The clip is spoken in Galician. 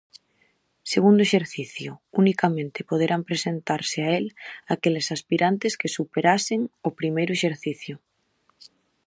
Segundo exercicio: Unicamente poderán presentarse a el aqueles aspirantes que superasen o primeiro exercicio.